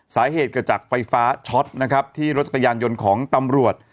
สาเหตุเกิดจากไฟฟ้าช็อตนะครับที่รถจักรยานยนต์ของตำรวจ